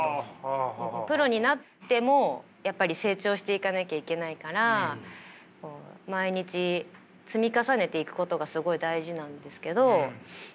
プロになってもやっぱり成長していかなきゃいけないから毎日積み重ねていくことがすごい大事なんですけどそれが足りないとか。